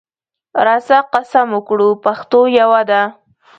راسه قسم وکړو پښتو یوه ده